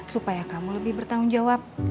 supaya kamu lebih bertanggung jawab